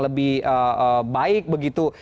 lebih baik begitu